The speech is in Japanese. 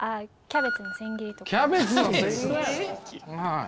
キャベツの千切り。